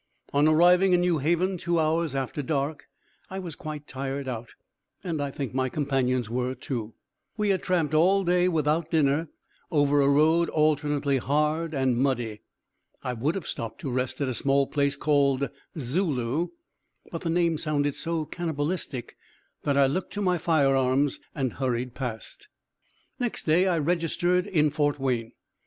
On arriving in New Haven two hours after dark, I was quite tired out, and I think my companions were, too. We had tramped all day without dinner over a road alternately hard and muddy. I would have stopped to rest at a small place called Zulu, but the name sounded so cannibalistic that I looked to my firearms and hurried past. Next day I registered in Fort Wayne.